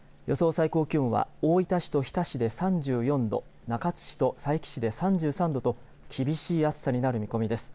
最高気温は大分市と日田市で３４度中津市と佐伯市で３３度と厳しい暑さになる見込みです。